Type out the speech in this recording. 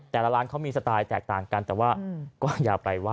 แต่ละร้านเขามีสไตล์แตกต่างกันแต่ว่าก็อย่าไปว่า